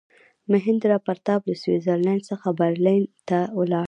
میهندراپراتاپ له سویس زرلینډ څخه برلین ته ولاړ.